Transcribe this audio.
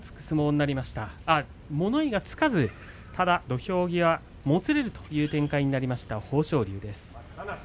あ、物言いはつかず土俵際もつれる展開になりました豊昇龍です。